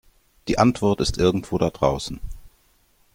Die Antwort ist irgendwo da draußen.